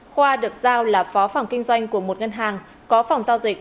khoa được giao là phó phòng kinh doanh của một ngân hàng có phòng giao dịch